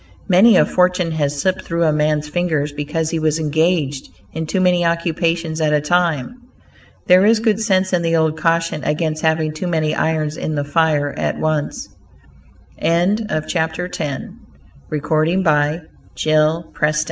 Many a fortune has slipped through a man's fingers because he was engaged in too many occupations at a time. There is good sense in the old caution against having too many irons in the fire at once. BE SYSTEMATIC Men should be systematic in thei